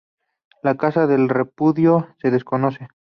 La causa del repudio se desconoce.